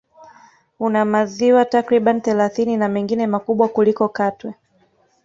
Una maziwa takriban thelathini na mengine makubwa kuliko Katwe